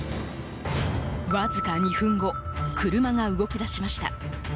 わずか２分後車が動き出しました。